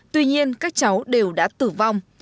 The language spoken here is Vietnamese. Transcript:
tuy nhiên các cháu đều đã tử vong